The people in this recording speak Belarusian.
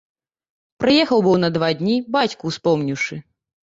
Прыехаў быў на два дні, бацьку ўспомніўшы.